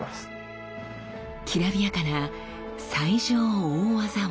きらびやかな最上大業物。